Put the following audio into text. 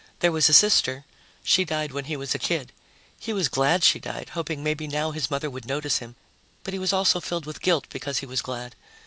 There was a sister: she died when he was a kid. He was glad she died, hoping maybe now his mother would notice him, but he was also filled with guilt because he was glad.